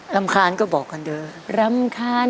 รำคาญก็บอกกันเดิน